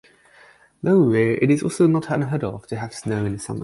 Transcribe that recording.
Though rare, it is also not unheard of to have snow in the summer.